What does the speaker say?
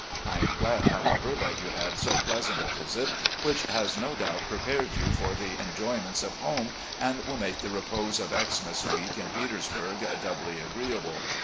I am glad, however, that you had so pleasant a visit, which has no doubt prepared you for the enjo3mients of home, and wiU make the repose of Xmas week in Petersburg doubly agreeable.